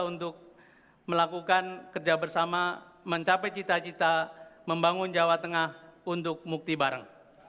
untuk melakukan kerja bersama mencapai cita cita membangun jawa tengah untuk mukti bareng